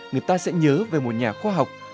người ta sẽ nhớ về một nhà khoa học